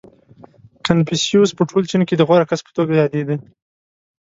• کنفوسیوس په ټول چین کې د غوره کس په توګه یادېده.